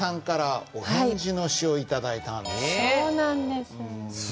そうなんです。